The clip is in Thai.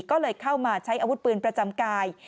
ก็เลยเข้ามาใช้อาวุธปืนประจำกาย